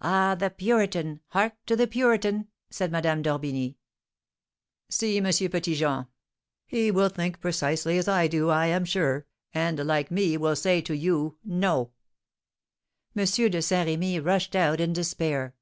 "Ah, the Puritan! Hark to the Puritan!" said Madame d'Orbigny. "See M. Petit Jean. He will think precisely as I do, I am sure, and, like me, will say to you 'No!'" M. de Saint Remy rushed out in despair.